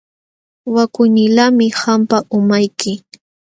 Wakuynilaqmi qampa umayki.